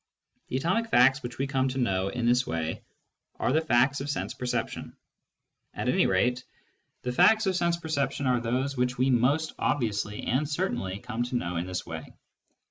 The atomic facts which we come to know in this way are the facts of sense perception ; at any rate, , the facts of sense perception are those which we most obviously and certainly come to know in this way.